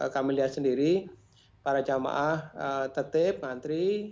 kami lihat sendiri para jemaah tetip ngantri